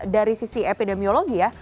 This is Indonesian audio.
dari sisi epidemiologi ya